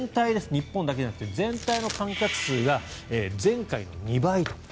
日本だけじゃなくて全体の観客数が前回の２倍と。